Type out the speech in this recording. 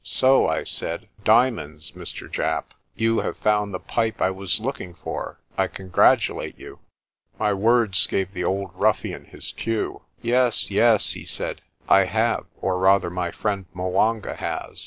"So," I said, "diamonds, Mr. Japp. You have found the pipe I was looking for. I congratulate you." My words gave the old ruffian his cue. "Yes, yes," he said, "I have, or rather my friend 'Mwanga has.